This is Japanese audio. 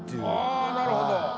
ああなるほど。